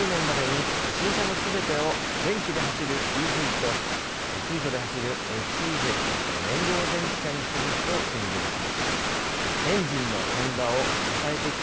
自動車メーカーのホンダでは、２０４０年までに新車のすべてを電気で走るＥＶと、水素で走るＦＣＶ・燃料電池車にすると宣言しました。